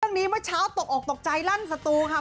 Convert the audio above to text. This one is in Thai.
เรื่องนี้เมื่อเช้าตกออกตกใจลั่นเถอะครับ